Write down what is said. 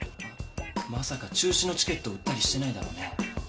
まさか中止のチケット売ったりしてないだろうね？